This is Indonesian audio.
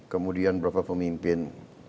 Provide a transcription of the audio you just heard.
kemudian berapa pemimpin